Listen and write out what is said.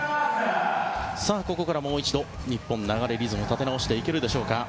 ここからもう一度、日本は流れ、リズムを立て直していけるでしょうか。